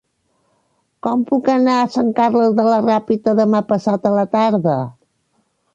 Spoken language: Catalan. Com puc anar a Sant Carles de la Ràpita demà passat a la tarda?